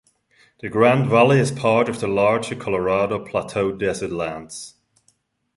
The Grand Valley is part of the larger Colorado Plateau desert lands.